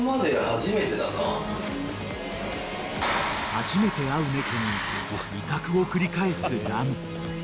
［初めて会う猫に威嚇を繰り返すラム］